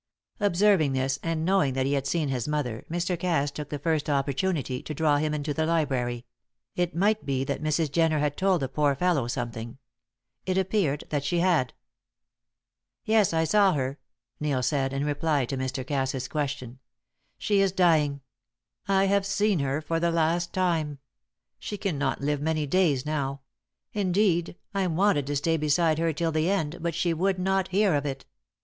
Observing this, and knowing that he had seen his mother, Mr. Cass took the first opportunity to draw him into the library: it might be that Mrs. Jenner had told the poor fellow something. It appeared that she had. "Yes, I saw her," Neil said, in reply to Mr. Cass's question. "She is dying; I have seen her for the last time! She cannot live many days now; indeed, I wanted to stay beside her till the end, but she would not hear of it.